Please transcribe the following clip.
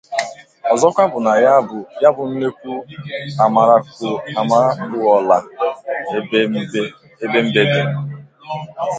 Ọzọkwa bụ na ya bụ nnekwu amarakwuola ebe mbe bi.